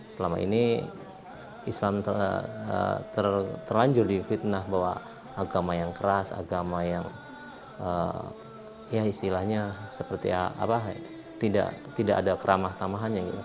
selama ini islam terlanjur difitnah bahwa agama yang keras agama yang tidak ada keramah tamahannya